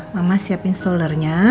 mama siapin stullernya